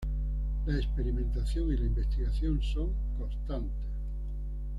La experimentación y la investigación son constantes.